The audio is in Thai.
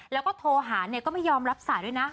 แล้วก็โทรหาก็ไม่ยอมรับสายด้วยนะ